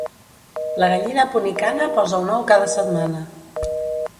La gallina ponicana posa un ou cada setmana.